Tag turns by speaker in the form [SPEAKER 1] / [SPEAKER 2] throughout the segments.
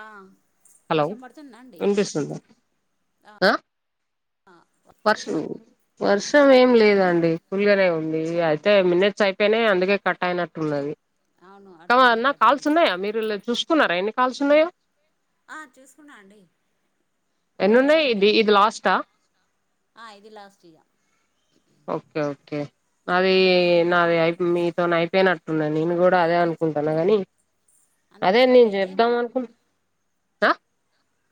[SPEAKER 1] ఆ
[SPEAKER 2] హలో
[SPEAKER 1] వర్షం పడుతుంద అండి
[SPEAKER 2] వినిపిస్తుందా ఆ
[SPEAKER 1] ఆ
[SPEAKER 2] వర్షం వర్షం ఏం లేదండి కుల్గానే ఉంది అయితే మిన్నట్స్ అయిపోనయియ్ అందుకే కట్ అయినట్టున్నది
[SPEAKER 1] అవును
[SPEAKER 2] ఆ
[SPEAKER 1] అటు నుండే
[SPEAKER 2] కానా
[SPEAKER 1] కట్
[SPEAKER 2] కాల్స్
[SPEAKER 1] అయింది
[SPEAKER 2] ఉన్నాయా మీరు చూసుకున్నారా ఎన్ని కాల్స్ ఉన్నాయో
[SPEAKER 1] ఆ చూసుకున్నా అండి ఇంకా రెండు
[SPEAKER 2] ఎన్నున్నాయి ఇది
[SPEAKER 1] ఉన్నాయి
[SPEAKER 2] ఇది లాస్టా
[SPEAKER 1] ఆ ఇది లాస్ట్ ఇగ
[SPEAKER 2] ఓకే ఓకే అది
[SPEAKER 1] ఆ
[SPEAKER 2] నాది అయి మీతో అయిపోయినట్టునది నేను కూడా అదే అనుకుంటన్న గాని
[SPEAKER 1] అందుకే
[SPEAKER 2] అదే
[SPEAKER 1] కట్
[SPEAKER 2] నేను చెప్దాం
[SPEAKER 1] అయిందేమో
[SPEAKER 2] అనుకు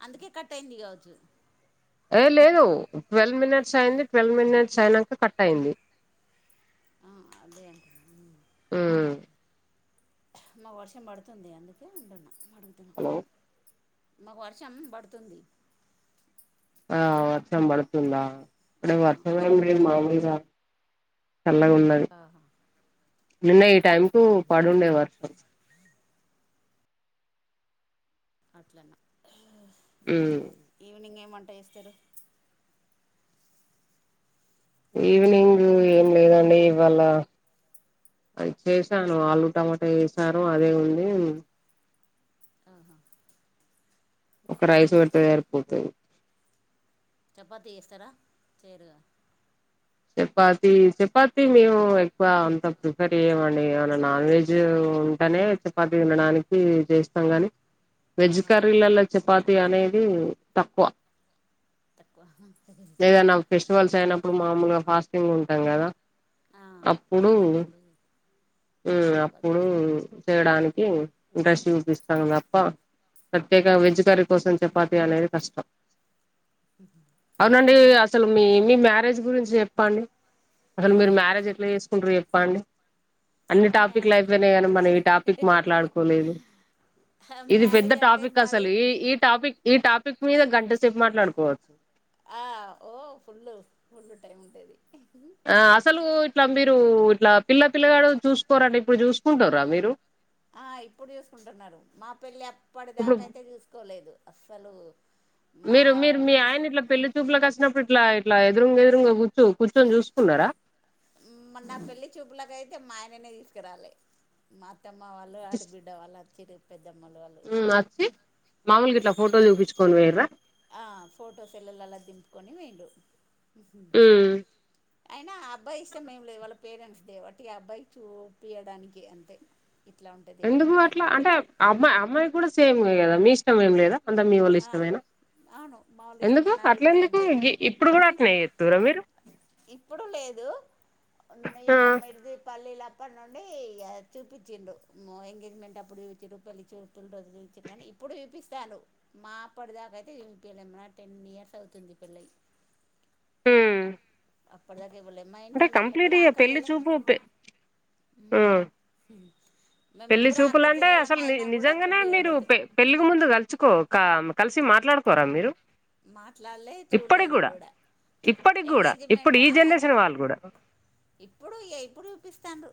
[SPEAKER 1] అందుకే కట్ అయింది కావచ్చు
[SPEAKER 2] ఏ లేదు ట్వెల్వ్ మినిట్స్ అయింది ట్వెల్వ్ మినిట్స్ అయినక్క కట్ అయింది
[SPEAKER 1] ఆ అదే అంటున్న
[SPEAKER 2] ఊ
[SPEAKER 1] మాకు వర్షం పడుతుంది అందుకే అంటున్న అడుగుతున్న
[SPEAKER 2] హలో
[SPEAKER 1] మాకు వర్షం బడుతుంది
[SPEAKER 2] ఆ వర్షం పడుతుందా
[SPEAKER 1] ఆ
[SPEAKER 2] ఇక్కడ వర్షం ఏం లేదు మాములుగా చల్లాగా ఉన్నద్
[SPEAKER 1] ఆహా
[SPEAKER 2] నిన్న ఈ టైం కు
[SPEAKER 1] ఉమ్
[SPEAKER 2] పడుండే వర్షం
[SPEAKER 1] అట్లన ఆ
[SPEAKER 2] ఊ
[SPEAKER 1] ఈవినింగ్ ఏ మంట ఏస్తరు
[SPEAKER 2] ఈవినింగ్ ఏం లేదండి ఇవాళ అది చేసాను ఆలు టమాటా ఏసాను అదే ఉంది
[SPEAKER 1] ఆహా
[SPEAKER 2] ఒక రైస్ పెడిత సరిపోతది
[SPEAKER 1] చపాతీ చేస్తరా చేయరుగా
[SPEAKER 2] చపాతి చపాతి మేము ఎక్కువ అంత ప్రి ఒకటి చేయమండి ఏమనా నాన్ వెజ్ ఉంటేనే చపాతి తినడానికి చేస్తాం గాని వెజ్
[SPEAKER 1] ఆహా
[SPEAKER 2] కరీలల చపాతి అనేది తక్కువ
[SPEAKER 1] తక్కువా సరే మరి
[SPEAKER 2] ఏదైనా ఫెస్టివల్స్ అయినప్పుడు మామూలుగా ఫాస్టింగ్ ఉంటాం కదా.
[SPEAKER 1] ఆ
[SPEAKER 2] అప్పుడు
[SPEAKER 1] అప్పుడు
[SPEAKER 2] హ్
[SPEAKER 1] చపాతి
[SPEAKER 2] అప్పుడు
[SPEAKER 1] చేసుకుంటారు
[SPEAKER 2] తినడానికి ఇంట్రెస్ట్ చూపిస్తాం తప్ప ప్రత్యేక వెజ్ కర్రీ కోసం చపాతి అనేది కష్టం.
[SPEAKER 1] అ
[SPEAKER 2] అవునండి అసలు మీ మీ మ్యారేజ్ గురించి చెప్పండి. అసలు మీరు మ్యారేజ్ ఎట్ల చేస్ కుంట్రు చెప్పండి? అన్ని
[SPEAKER 1] మా
[SPEAKER 2] టాపిక్లు
[SPEAKER 1] మ్యారేజ్
[SPEAKER 2] అయిపోయినయి కానీ మనం ఈ టాపిక్ మాట్లాడుకోలేదు. ఇది పెద్ద
[SPEAKER 1] మ్యారేజ్ అంటే
[SPEAKER 2] టాపిక్
[SPEAKER 1] మాది
[SPEAKER 2] అసలు ఈ ఈ టాపిక్ ఈ టాపిక్ మీద గంట సేపు మాట్లాడుకోవచ్చు.
[SPEAKER 1] ఆ ఓ ఫుల్ ఫుల్ టైం ఉంటది.
[SPEAKER 2] ఆ అసలు ఇట్లా మీరు ఇట్లా పిల్ల పిల్లగాడు చూసుకోరండి ఇప్పుడు చూసుకుంటుంర్రా మీరు.
[SPEAKER 1] ఆ ఇప్పుడు చూసుకుంటున్నరు. మా పెళ్ళి అప్పటి
[SPEAKER 2] ఇప్పుడు
[SPEAKER 1] దాకాయితే చూసుకోలేదు అస్సలు మా
[SPEAKER 2] మీరు మీరు మీ ఆయనని ఇట్లా పెళ్లి చూపులకి అచ్చినప్పుడు ఇట్లా ఇట్లా ఎదురుంగా ఎదురుంగా కూచు కూచోని చూసుకున్నరా.
[SPEAKER 1] నా పెళ్లి చూపులకయితే మా ఆయననే తీసుకురాలే. మా అతమ్మ వాళ్ళు, ఆడబిడ్డ వాళ్ళు అచ్చింర్రు పెద్దమ్మలు ఆళ్
[SPEAKER 2] అచ్చి మామూలుగా ఇట్లా ఫోటోలు చూపించుకొని పోయిర్రా.
[SPEAKER 1] ఆ ఫొటో సెల్లులల్లా దింపుకొని పొయింర్రు.
[SPEAKER 2] పోయిర్రా
[SPEAKER 1] అయినా ఆ అబ్బాయి ఇష్టం ఏం లేదు, వాళ్ళ పేరెంట్స్ దే వట్టి ఆ అబ్బాయి చూపియడానికి అంతే. ఇట్ల ఉంటది.
[SPEAKER 2] ఎందుకు
[SPEAKER 1] అమ్మాయి అని
[SPEAKER 2] అట్లా అంటే అమ్మాయి అమ్మాయి కూడా సేమ్ కదా మీ ఇష్టం ఏం లేదా అంత మీ వోల్ల
[SPEAKER 1] ఆ
[SPEAKER 2] ఇష్టమేనా.
[SPEAKER 1] అవును మాములు
[SPEAKER 2] ఎందుకు
[SPEAKER 1] ఇష్టం నాది
[SPEAKER 2] అట్ల
[SPEAKER 1] కూడా ఏం
[SPEAKER 2] ఎందుకు
[SPEAKER 1] లేదు
[SPEAKER 2] ఇ ఇప్పుడు కూడా అట్నే చెత్తుర్రా మీరు.
[SPEAKER 1] ఇప్పుడు లేదు,
[SPEAKER 2] ఆ
[SPEAKER 1] నెయ్యమ్మ మరిది పల్లీల అప్పటి నుండి ఇగ చూపించిండు మా ఎంగేజ్మెంట్ అప్పుడు చూయించిర్రు పెళ్ళి చూ పులు రోజు చూయించ్చిర్రు కానీ ఇప్పుడు చూపిస్తాంర్రు. మా అప్పటి దాకయితే చూపియలే మాది టెన్ ఇయర్స్ అవుతుంది పెళ్ళయి.
[SPEAKER 2] హ్
[SPEAKER 1] అప్పటి దాకా చూల్లే మా ఇంట్ల మేము ముగ్గురం
[SPEAKER 2] ఇగ పెళ్లి
[SPEAKER 1] అక్కజల్లేం
[SPEAKER 2] చూపు పె ఆ
[SPEAKER 1] మేం
[SPEAKER 2] పెళ్లి
[SPEAKER 1] ముగ్గురం అక్క
[SPEAKER 2] చూపులంటే
[SPEAKER 1] చెల్లెళ్ళం
[SPEAKER 2] అసలు ని
[SPEAKER 1] అయినా కూడా
[SPEAKER 2] నిజంగానే మీరు
[SPEAKER 1] చూపియలేదు.
[SPEAKER 2] పె పెళ్ళికి ముందు కలుచుకో కా కలిసి మాట్లాడుకోరా మీరు?
[SPEAKER 1] మాట్లాల్లే చూడలేదు కూడా.
[SPEAKER 2] ఇప్పటికి కూడా ఇప్పుడు
[SPEAKER 1] ఎంగేజ్మెంట్
[SPEAKER 2] ఈ
[SPEAKER 1] ఆ
[SPEAKER 2] జనరేషన్ వాళ్ళు కూడా.
[SPEAKER 1] ఇప్పుడు ఇగా ఇప్పుడు చూపిస్తాంర్రు.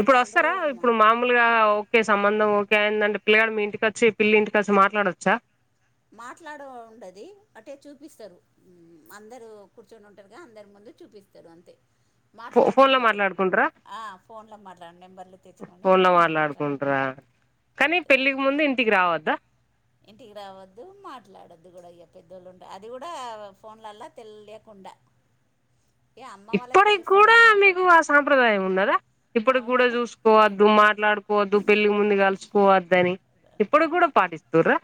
[SPEAKER 2] ఇప్పుడు వస్తారా ఇప్పుడు మామూలుగా ఓకే సంబంధం ఓకే అయిందంటే పిల్లగాడు మీ ఇంటికచ్చి పిల్లి ఇంటికి వచ్చి మాట్లాడొచ్చా.
[SPEAKER 1] మాట్లాడు ఉండది అట్టే చూపిస్తరు. అందరు కూర్చొని ఉంటరుగా అందరి ముందు చూపిస్తరు అంతే.
[SPEAKER 2] ఫో ఫోన్ లో
[SPEAKER 1] మాట్లాడనియరు
[SPEAKER 2] మాట్లాడుకుంటారా
[SPEAKER 1] ఆ ఫోన్లో మాట్లాడు నెంబర్లు తెచ్చుకోని ఫోన్లో మాట్లాడకుం
[SPEAKER 2] కనీ పెళ్లికి ముందు ఇంటికి రావద్దా.
[SPEAKER 1] ఇంటికి రావద్దు, మాట్లాడొద్దు కూడా ఇయ పెద్దోళ్ళు ఉంటరు అది కూడా ఫోన్లల్లా తెలియకుండా ఇక అమ్మ వాళ్ళకి
[SPEAKER 2] ఇప్పటికి
[SPEAKER 1] తెలుస్తుంది
[SPEAKER 2] కూడా
[SPEAKER 1] అమ్మకు
[SPEAKER 2] మీకు ఆ సాంప్రదాయం ఉన్నదా? ఇప్పటికి
[SPEAKER 1] అవును
[SPEAKER 2] కూడా చూసు కోవద్దు, మాట్లాడుకోవద్దు పెళ్లికి ముందు కలుసుకోవద్దని ఇప్పడి
[SPEAKER 1] అవును
[SPEAKER 2] కూడా పాటిస్తుర్రా.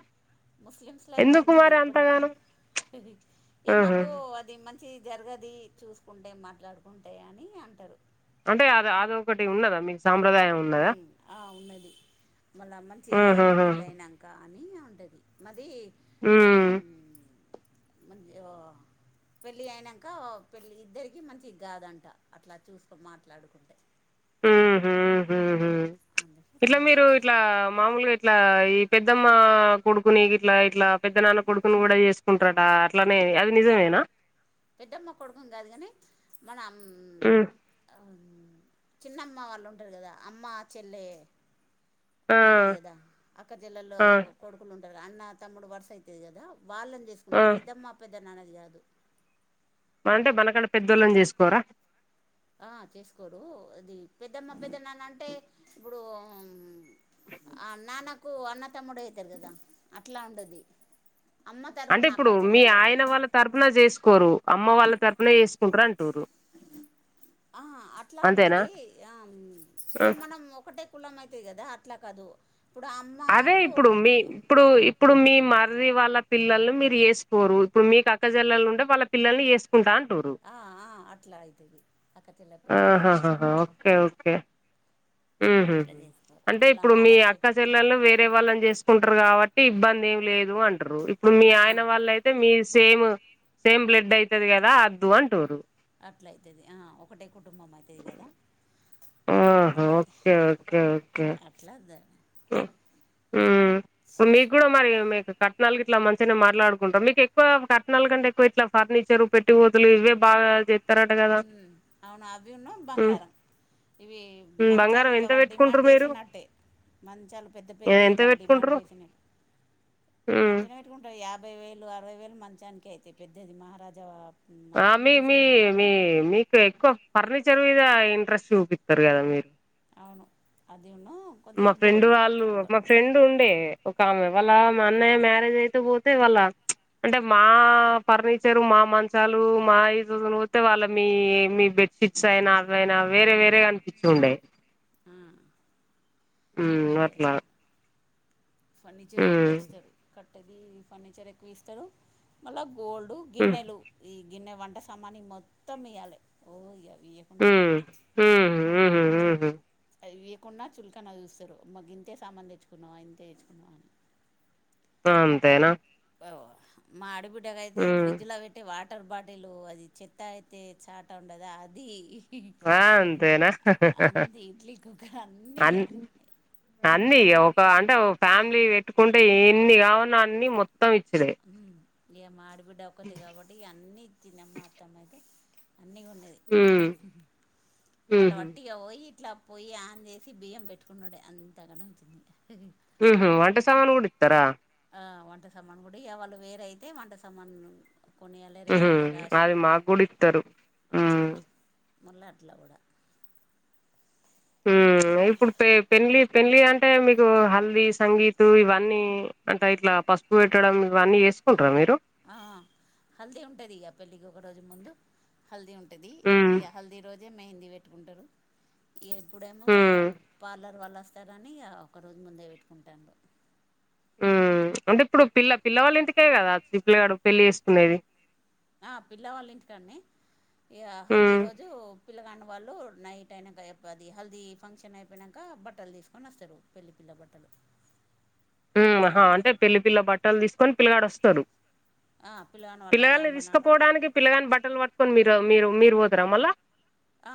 [SPEAKER 1] ముస్లిమ్స్లో అయితే
[SPEAKER 2] ఎందుకు
[SPEAKER 1] ఉన్నది
[SPEAKER 2] మరి
[SPEAKER 1] ఇప్పడికి కూడా
[SPEAKER 2] అంతగానం
[SPEAKER 1] ఇగ
[SPEAKER 2] ఆహా
[SPEAKER 1] మాకు అది మం చి జరగది చూసుకుంటే, మాట్లాడుకుంటే అని అంటరు.
[SPEAKER 2] అంటే అది అదొ ఒకటి ఉన్నదా మీకు సాంప్రదాయం ఉన్నదా
[SPEAKER 1] ఉం ఆ ఉన్నది మళ్ళ మంచిది కాదు
[SPEAKER 2] ఆహాహా
[SPEAKER 1] పెళ్ళి అయినాక కానీ ఉండది మరి [unintelligible]
[SPEAKER 2] ఉం
[SPEAKER 1] అది మే పెళ్ళి అయినాక పెళ్ళ ఇద్దరికి మంచిగా కాదంట అట్లా చూసుకో మాట్లాడుకుంటే అందుకే అట్లా
[SPEAKER 2] ఇట్లా
[SPEAKER 1] ఉంటది
[SPEAKER 2] మీరు ఇట్లా మామూలుగా ఇట్లా ఈ పెద్దమ్మ కొడుకుని ఇట్లా ఇట్లా పెద్ద నాన్న కొడుకుని కూడా చేసు కుంటారటా అట్లానే అది నిజమేనా
[SPEAKER 1] పెద్దమ్మ కొడుకుని కాదు కాని మన ఆ
[SPEAKER 2] ఉమ్
[SPEAKER 1] చిన్నమ్మ వాళ్ళు ఉంటారు కదా అమ్మ చెల్లె
[SPEAKER 2] ఆ
[SPEAKER 1] ఉంటది కదా అక్క చెల్లల్లో
[SPEAKER 2] ఆ
[SPEAKER 1] కొడుకులు ఉంటారు అన్న తమ్ముడు వరుస అయితుది కదా వాళ్ళని చే
[SPEAKER 2] ఆ
[SPEAKER 1] కుంటారు పెద్దమ్మ పెద్ద నాన్నది కాదు
[SPEAKER 2] అంటే మనకంటే పెద్దోళ్ళని చేసుకోరా
[SPEAKER 1] ఆ చేసుకోరు అది పెద్దమ్మ పెద్దనాన్న అంటే ఇప్పుడు ఆ నాన్నకు అన్నతమ్ముడు అవుతారు కదా అట్లా ఉండది అమ్మ
[SPEAKER 2] అంటే
[SPEAKER 1] తరపునా అక్క
[SPEAKER 2] ఇప్పుడు మీ
[SPEAKER 1] చెల్లెల్ల అది
[SPEAKER 2] ఆయన వాళ్ళ తరపున చేసుకోరు అమ్మ వాళ్ళ తరపున చేసుకుంటారు అంటురు
[SPEAKER 1] ఆ అట్లా ఉండది ఆ ఇతే మనం ఒకటే కులం అయితది కదా అట్లా కాదు ఇప్పుడు
[SPEAKER 2] అదే
[SPEAKER 1] అమ్మకు
[SPEAKER 2] ఇప్పుడు మీ ఇప్పుడు ఇప్పుడు మీ మరది వాళ్ళ పిల్లల్ని మీరు చేసుకోరు ఇప్పుడు మీ అక్కజల్లలు ఉంటే వాళ్ళ పిల్లల్ని చేసుకో కుంట అంటుర్రు
[SPEAKER 1] ఆ ఆ అట్లా అయితది అక్క చెల్లె పిల్లల్ని తీసుకుంటారు
[SPEAKER 2] ఆహాహాహా ఓకే ఓకే ఉ హమ్
[SPEAKER 1] ఇట్లా చేసుకోరు
[SPEAKER 2] అంటే
[SPEAKER 1] ఇట్లా
[SPEAKER 2] ఇప్పుడు
[SPEAKER 1] అన్న
[SPEAKER 2] మీ
[SPEAKER 1] వరుస
[SPEAKER 2] అక్క
[SPEAKER 1] అయితే
[SPEAKER 2] చెల్ల వేరే వాళ్ళని చేసుకుంటారు కాబట్టి ఇబ్బంది ఏం లేదు అంటారు ఇప్పుడు మీ
[SPEAKER 1] ఆ
[SPEAKER 2] ఆయన వాళ్ళ అయితే మీ సేమ్ సేమ్ బ్లడ్ అవుతుది కదా అద్దు అంటూారు
[SPEAKER 1] అట్లా అయితది ఆ ఒకటే కుటుంబం అయి తది కదా
[SPEAKER 2] ఆహా
[SPEAKER 1] అందుకే
[SPEAKER 2] ఓకే
[SPEAKER 1] అట్లా ద
[SPEAKER 2] ఉం మీకు కూడా
[SPEAKER 1] చేసుకోరు
[SPEAKER 2] మరి మీకు కట్నాలకి ఇట్లా మంచిగానే మాట్లాడుకుంటాం మీకు ఎక్కువ కట్టనాల కంటే ఎక్కువ ఇట్లా ఫర్నిచర్ పెట్ పెట్టిపోతలు ఇవే బాగా చెతారట కదా
[SPEAKER 1] ఉమ్, అవును అవి ఉన్న బంగారం ఇవి మంచాలు
[SPEAKER 2] బంగారం
[SPEAKER 1] ఇగా
[SPEAKER 2] ఎంత
[SPEAKER 1] వాళ్ళు డిమాండ్
[SPEAKER 2] పెట్టుకుంటారు మీరు
[SPEAKER 1] చేసినట్టే మంచాలు పెద్ద పెద్దయి
[SPEAKER 2] ఎంత
[SPEAKER 1] వాళ్ళు డిమాండ్
[SPEAKER 2] పెట్టుకుంటారు
[SPEAKER 1] చేసిన మంచినే కుంటాయి యాభై వేలు అరవై వేలు మంచానికి అయితయి పెద్దది మహారాజా
[SPEAKER 2] ఆ
[SPEAKER 1] మంచం
[SPEAKER 2] మీ మీ
[SPEAKER 1] తీసుకుంటారు
[SPEAKER 2] మీ మీకు ఎక్కువ ఫర్నిచర్ మీద ఇంట్రెస్ట్ చూపిస్తారు కదా మీరు
[SPEAKER 1] అవును అది అను
[SPEAKER 2] మా ఫ్రెండ్ వాళ్ళు మా ఫ్రెండ్ ఉండే ఒక ఆమె వాళ్ళ మా అన్నయ్య మ్యారేజ్ అయితే పోతే వాళ్ళ అంటే మా ఫర్నిచరు మా మంచాలు మా ఈజజ [unintelligible] పోస్తతే వాళ్ళ మీ మీ బెడ్ సిక్స్ అయినా అవ అయినా వేరే వేరేగా అనిపిస్తు ఉండేయి
[SPEAKER 1] ఆ
[SPEAKER 2] ఉం
[SPEAKER 1] అదే
[SPEAKER 2] అట్లా
[SPEAKER 1] అంటే ఫర్నిచర్ ఎక్కువ
[SPEAKER 2] మ్మ్
[SPEAKER 1] ఇస్తారు కట్టది ఫర్నిచర్ ఎక్కువ ఇస్తారు మళ్ళా గోల్డు
[SPEAKER 2] మ్మ్
[SPEAKER 1] గిన్నెలు ఈ గిన్నె వంట సామాని మొత్తం ఇయ్యాలి ఓ ఇయ్యాలి ఇయ్యకుంటే [inaudible]
[SPEAKER 2] హ్మ్ హ్మ్ హ్మ్
[SPEAKER 1] అవి ఇయ్యకుండా చులకనా చూస్తారు మాకు ఇంతే సామాన్లు తెచ్చుకున్నావా ఇంతే తెచ్చుకున్నావా అని
[SPEAKER 2] అంతేనా
[SPEAKER 1] ఓ మా ఆడబిడ్డకి అయితే
[SPEAKER 2] మ్మ్
[SPEAKER 1] ఫ్రిడ్జ్ లో పెట్టి వాట వాటర్ బాటిల్ అది చెత్త ఏతే చాట ఉండదు అది
[SPEAKER 2] ఆ అంతేనా
[SPEAKER 1] అంది ఇడ్లీ కుక్కర్ అన్ని ఇగ
[SPEAKER 2] అన్ అన్ని ఒక అంటే ఒక ఫ్యామిలీ పెట్టుకుంటే ఇన్ని కావున అన్ని మొత్తం ఇచ్చుడే
[SPEAKER 1] ఈయమ్మ ఆడబిడ్డ ఒక్కది కాబట్టి ఇగా అన్నీ ఇచ్చిందమ్మా అత్తమ్మ అయితే అన్నీ కొన్నది
[SPEAKER 2] మ్మ్
[SPEAKER 1] [unintelligible]
[SPEAKER 2] మ్మ్
[SPEAKER 1] ఈగ పోయి ఇట్లా పొయ్యి ఆన్ చేసి బియ్యం పెట్టుకున్నుడే అంత గనే వచ్చింది
[SPEAKER 2] హ్మ్ హు వంట సామాను కూడా ఇస్తారా
[SPEAKER 1] ఆ వంట సామాను కూడా ఇవాళ్ళ వేరైతే వంట సామాన్లు కొనియల్లా
[SPEAKER 2] ఉహు
[SPEAKER 1] రెండేళ్ళ
[SPEAKER 2] అది
[SPEAKER 1] రాశానంటే
[SPEAKER 2] మాకు కూడా ఇత్తరు ఉమ్
[SPEAKER 1] మళ్ళ అట్లా కూడా
[SPEAKER 2] ఉమ్ ఇప్పుడు పె పెళ్లి పెళ్లి అంటే మీకు హల్దీ సంగీత్ ఇవన్నీ అంటే ఇట్లా పసుపు పసుపు పెట్టడం ఇవన్నీ చేసుకుంటార మీరు
[SPEAKER 1] ఆ హల్దీ ఉంటుంది ఇక పెళ్ళికి ఒక రోజు ముందు హల్దీ ఉంటుంది
[SPEAKER 2] ఉమ్
[SPEAKER 1] ఇగా హల్దీ రోజే మేహిందీ పెట్టుకుంటారు ఇగా ఇప్పుడేమో ఇగా
[SPEAKER 2] ఉమ్
[SPEAKER 1] పార్లర్ వాళ్లు వస్తే కానీ ఇక ఒకరోజే ముందే పెట్టుకుంటాము
[SPEAKER 2] ఉమ్ అంటే ఇప్పుడు పిల్ల పిల్లవాళ్ళ ఇంటికే కదా పిల్లగాడు పెళ్లి చేసుకునేది
[SPEAKER 1] ఆ పిల్లవాళ్ళ ఇంటికాన్నే ఇగ
[SPEAKER 2] ఉమ్
[SPEAKER 1] హల్దీరోజు పిల్లగాన్న వాళ్ళు నైట్ అయినాంకా అది హెల్దీ ఫంక్షన్ అయిపోయినాక బట్టలు తీసుకొని వస్తారు పెళ్లి పిల్లబట్టలు
[SPEAKER 2] హ్మ్ ఆహా అంటే పెళ్లి పిల్ల బట్టలు తీసుకొని పిల్లగాడు వస్తారు
[SPEAKER 1] పిల్లగాని వాళ్ళ ఇక
[SPEAKER 2] పిల్లగాన్ని
[SPEAKER 1] అమ్మ నాన్న
[SPEAKER 2] తీసుకపోవడానికి పిల్లగాని బట్టలు పట్టుకొని మీరు మీరు మీరు పోతార మళ్ళా
[SPEAKER 1] ఆ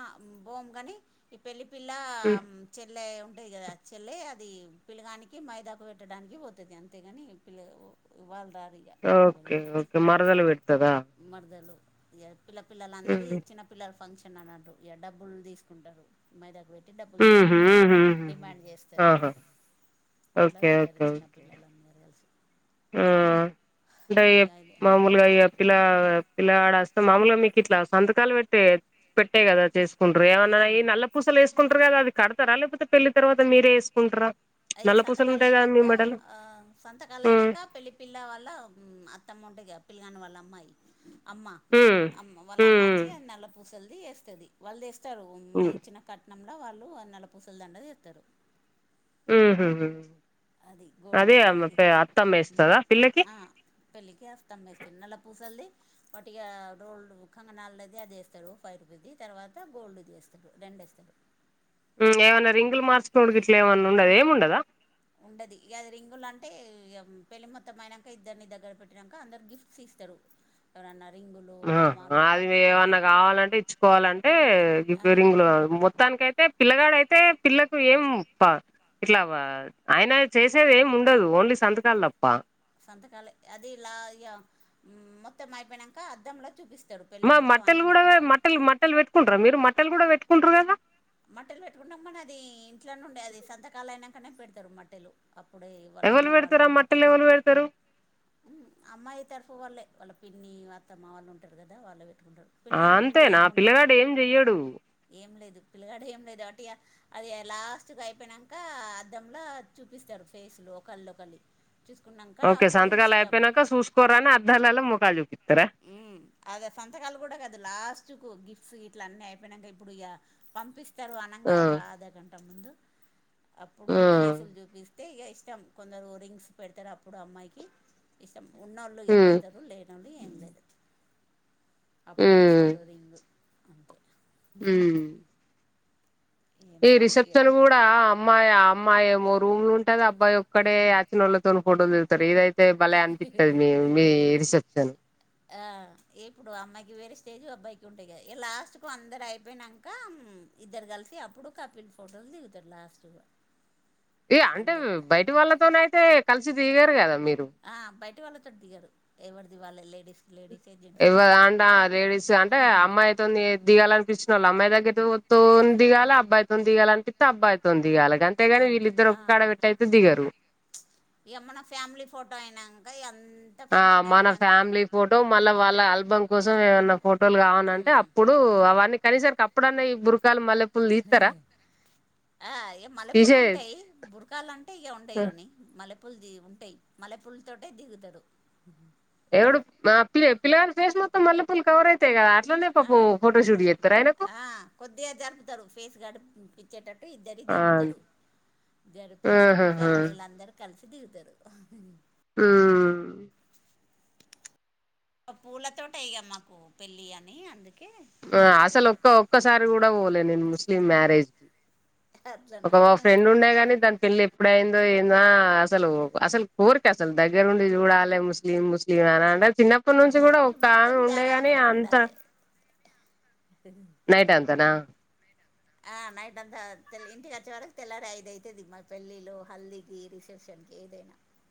[SPEAKER 1] ఓమ్ కాని ఈ పెళ్లి పిల్ల
[SPEAKER 2] ఉమ్
[SPEAKER 1] చెల్లె ఉంటుంది కదా చెల్లె అది పిలగానికి మైదాకు పెట్టడానికి పోతుంది అంతేగాని పిల్ల ఎవ్వళ్ దారి
[SPEAKER 2] ఆ ఓకే ఓకే మరదలు పెడుతదా
[SPEAKER 1] మరదలు పిల్ల పిల్లలందరి
[SPEAKER 2] ఉహు
[SPEAKER 1] చిన్నపిల్లల ఫంక్షన్ చిన్న అన్నట్టు ఇగా డబ్బులు తీసుకుంటారు మైదాకు పెట్టి డబ్బులు
[SPEAKER 2] ఉహు ఉహు
[SPEAKER 1] డిమాండ్ చేస్తారు
[SPEAKER 2] ఆహా ఓకే ఓకేే
[SPEAKER 1] పిల్లలు అందరు కలిసి
[SPEAKER 2] హ్మ్ చేయి అంట
[SPEAKER 1] ఇగ
[SPEAKER 2] మామూలు ఇగా పిల్ పిలగాడ వస్తే మాములుగా మీకు ఇట్లా సంతకాలు పెట్టే పెట్టే కదా చేసుకుండ్రి ఏవన్నా ఈ
[SPEAKER 1] ఆ
[SPEAKER 2] నల్ల పూసలు వేసుకుంటారు కదా అది కడతారా లేకపోతే పెళ్లి తర్వాత మీరే వేసుకుంటారా
[SPEAKER 1] అవి
[SPEAKER 2] నల్ల పూసలు
[SPEAKER 1] సంతకాలు
[SPEAKER 2] ఉంటాయి కదా మీ
[SPEAKER 1] అయినాంకా
[SPEAKER 2] మెడలో
[SPEAKER 1] ఆ సంతకాలు
[SPEAKER 2] హ్మ్
[SPEAKER 1] అయినాంకా పెళ్ళి పిల్ల వాళ్ళ అత్తమ్మ ఉంటుందిగా పిలగాని వాళ్ళ అమ్మాయి అమ్మ
[SPEAKER 2] హ్మ్
[SPEAKER 1] అమ్ వాళ్ళ అమ్మ
[SPEAKER 2] హ్మ్
[SPEAKER 1] వచ్చి నల్ల పూసలది వేస్తుంది వాళ్ళ తెస్తారు మన
[SPEAKER 2] హ్మ్
[SPEAKER 1] ఇచ్చిన కట్నంలో వాళ్ళు నల్లపూసల దండ తెస్తారు
[SPEAKER 2] మ్ ఉహు
[SPEAKER 1] అది
[SPEAKER 2] అదే
[SPEAKER 1] గోల్డ్ది
[SPEAKER 2] అత్ అత్తమ్మ ఏస్తుందా ఆ పిల్లకి
[SPEAKER 1] పెళ్లికేస్తామ్మాయ్ నల్ల పూసల్ది వట్టిగా రోల్డ్ కంగనల్ది అది ఏస్తడు ఫైవ్ రూపీస్ది, తర్వాత గోల్డ్ది ఏస్తడు రెండు ఏస్తడు
[SPEAKER 2] ఇంగేమన్నా రింగులు మార్చుకునుడు గిట్ల ఏమన్నా ఉండద్ ఏం ఉండదా
[SPEAKER 1] ఉండది ఇగది రింగులు అంటే ఇగ పెళ్లి మొత్తం అయినంక ఇద్దరిని దగ్గర పెట్టినంక అందరు గిఫ్ ఫ్ట్స్ ఇస్తరు ఎవరన్న రింగులు లు
[SPEAKER 2] ఆ
[SPEAKER 1] కమ్మాలు
[SPEAKER 2] అది
[SPEAKER 1] పట్టీలు ఇది
[SPEAKER 2] వేవన్నా కావాలంటే ఇచ్చుకోవాలంటే
[SPEAKER 1] ఆ
[SPEAKER 2] గివ్వే రింగులు మొత్తానికయితే పిల్లగాడయితే పిల్లకు ఏం ప ఇట్ల వా ఆయన చేసేది ఏం ఉండదు ఓన్లీ సంతకాలు తప్ప
[SPEAKER 1] సంతకాలె అది లా ఇగ మొత్తం అయిపోయినంక అద్దంల చూపిస్తడు
[SPEAKER 2] మా మట్టలు కూడ వే మట్టలు మట్టలు పెట్టుకుంటర మీరు మట్టలు కూడ పెట్టుకుంటరు గదా
[SPEAKER 1] మట్టెలు పెట్టుకుంటాం మన అదీ ఇంట్ల నుండే అది సంతకాలయినంకనే పెడతరు మట్టెలు అప్పుడే ఏ
[SPEAKER 2] ఎవల్ పెడతరు ఆ మట్టలు ఎవరు పెడతరు
[SPEAKER 1] అమ్మాయి తరఫు వాళ్ళే వాళ్ళ పిన్ని, అత్తమ్మ వాళ్ళు ఉంటరు గదా వాళ్ళే పెట్టుకుంటరు పిల్లగాంది
[SPEAKER 2] అంతేనా
[SPEAKER 1] ఏం ఉండదు,
[SPEAKER 2] పిల్లగాడు ఏం చెయ్యడు
[SPEAKER 1] ఏం లేదు పిల్లగాడు ఏం లేదు వట్టిగ అది అ లాస్ట్ కి అయిపోయినంక అద్దంల చూపిస్తరు ఫేస్ లు ఓకళ్ది ఒకల్లి చూసుకున్నంక అప్పుడు ఇష్
[SPEAKER 2] పెనక సూస్కోరన్ అద్దాలల్ల మొకాలు జూపిత్తరా
[SPEAKER 1] ఉమ్ అదే సంతకాలు గూడ కాదు లాస్ట్ కు గిఫ్ట్స్ గిట్ల అన్నీ అయిపోయినంక ఇప్పుడు ఇగా పంపిస్తరు అనంగ
[SPEAKER 2] ఆ
[SPEAKER 1] ఒక అర్ధ గంట ముందు అప్పుడు
[SPEAKER 2] ఆ
[SPEAKER 1] ఫేసులు జూపిస్ తే ఇగ ఇష్టం కొందరు రింగ్స్ పెడతరు అప్పుడు అమ్మాయికి ఇష్టం, ఉన్నోళ్ళు ఇగ
[SPEAKER 2] ఉమ్
[SPEAKER 1] పెడతరు లేన్ నుండి ఏం లేదు అప్పుడు
[SPEAKER 2] ఉమ్
[SPEAKER 1] ఇస్తాడు రింగు అంతే
[SPEAKER 2] ఉమ్ ఈ
[SPEAKER 1] ఏముండదు
[SPEAKER 2] రిసెప్షన్ గూడా అమ్మాయి అమ్మాయేమో రూమ్లుంటది అబ్బాయోక్కడే అచ్చినోళ్ళత్ తోన్ ఫోటోలు దిగుతరు ఇదయితే భలే అనిపిత్తది
[SPEAKER 1] ఇగ
[SPEAKER 2] మీ మీ రిసెప్షన్
[SPEAKER 1] ఆ ఇప్పుడు అమ్మాయికి వేరే స్టేజ్ అబ్బాయికి ఉంటయి గదా ఇగ లాస్ట్కు అందరు అయిపోయినంక ఇద్దరు కలిసి అప్పుడు కపిల్ ఫోటోలు దిగుతరు లాస్టులో
[SPEAKER 2] ఇగ అంటే బయటి వాళ్ళతోనయితే కలిసి దిగరు కదా మీరు
[SPEAKER 1] ఆ బయటి వాళ్ళతో దిగరు ఎవర్ది వాళ్ళే లేడీస్ లేడిసే జెంట్
[SPEAKER 2] ఎవ్వర్ దాంట్ల లేడీస్ అంటే అమ్మాయి తోని దిగాలనిపిచ్చిన వాల్ అమ్మాయి దగ్గరతో తోన్ దిగాల, అబ్బాయితోన్ దిగాలనిపిత్తె అబ్బాయితోన్ దిగాల గన్ తెగాని వీళ్ళిద్దరు ఒక కాడ పెట్టయితే దిగరు
[SPEAKER 1] ఇగ మన ఫ్యామిలీ ఫోటో అయినంక ఇగ అన్
[SPEAKER 2] ఆ మన ఫ్యామిలీ ఫోటో మళ్ళ వాళ్ళ ఆల్బమ్ కోసం ఏమన్న ఫోటోలు గావానంటే
[SPEAKER 1] మ్,
[SPEAKER 2] అప్పుడ్ ప్పుడు అవన్నీ కనీసరికి అప్పుడున్న ఈ బుర్కాలు మల్లేప్
[SPEAKER 1] ఆ ఇగ మల్లె పూలు
[SPEAKER 2] తీసే
[SPEAKER 1] ఉంటయి బుర్కాలంటే ఇగ ఉండయ్ గని మల్లె పూల్ ది ఉంటయి మల్లె పూల్తోటే దిగుతరు
[SPEAKER 2] ఎవడు మా పి పిల్ల గాని ఫేస్ మొత్తం మల్లె పూలు కవర్ అయితయి గదా అట్లానేప్
[SPEAKER 1] ఆ ఆ కొద్దిగా జరుపుతరు ఫేస్ గట్ పించ్ చ్చేటట్టు ఇద్దరి
[SPEAKER 2] ఆ
[SPEAKER 1] జరుపుతరు జరిపి అప్పుడు
[SPEAKER 2] ఆహాహా
[SPEAKER 1] ఫ్యామిలీలందరు కలిసి దిగుతరు
[SPEAKER 2] ఉమ్
[SPEAKER 1] పూలతోటి ఇగా మాకు పెళ్ళి అని అందుకే
[SPEAKER 2] ఆ
[SPEAKER 1] పూలు ఎక్కువ
[SPEAKER 2] అసలు
[SPEAKER 1] ఉంటాయి
[SPEAKER 2] ఒక్క ఒక్కసారి కూడా పోలే నేను ముస్లిం మ్యారేజ్
[SPEAKER 1] అట్లనా
[SPEAKER 2] ఒక ఫ్రెండ్ ఉండే గానీ పెళ్ళి ఎప్పుడైందో ఏంద అసలు అసలు కోరిక అసలు దగ్గరుండి చూడాలి ముస్లిం ము ఇగ అంటే చిన్నప్పటి నుంచి కూడా ఒక్క
[SPEAKER 1] మొత్తం
[SPEAKER 2] ఆమె ఉండేగాని
[SPEAKER 1] జాగారంతో
[SPEAKER 2] అంత
[SPEAKER 1] అ
[SPEAKER 2] నైట్ అంతనా
[SPEAKER 1] నైట్ అంతా ఇంటికి వచ్చే వరకు తెల్లారీ ఐదు అవుతది మా పెళ్ళిలో హల్దీకి రిసెప్షన్కి ఏదైనా